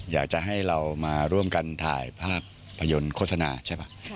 อยากจะให้เรามาร่วมกันถ่ายภาพยนตร์โฆษณาใช่ป่ะ